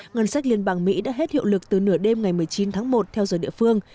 ngân sách liên bang mỹ đã hết hiệu lực từ nửa đêm ngày một mươi chín tháng một theo giờ địa phương